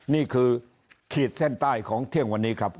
นี่คือขีดเส้นใต้ของเที่ยงวันนี้ครับ